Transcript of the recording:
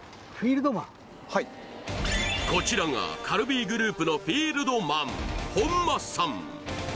はいこちらがカルビーグループのフィールドマン本間さん